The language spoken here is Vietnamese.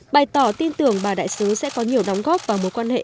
bày tỏ tin tưởng bà đại sứ sẽ có nhiều đóng góp vào mối quan hệ